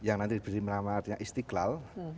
yang nanti diberi nama artinya istiqlal